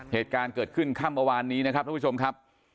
เหตุการณ์เกิดขึ้นค่ำเมื่อวานนี้นะครับทุกผู้ชมครับ